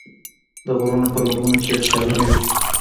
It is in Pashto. د غرونو په لمنو کې یخچالونه وي.